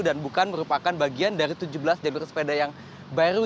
dan bukan merupakan bagian dari tujuh belas jalur sepeda yang baru